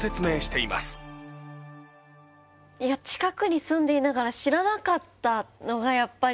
い近くに住んでいながら知らなかったのがやっぱり。